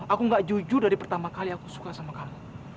aku gak jujur dari pertama kali aku suka sama kamu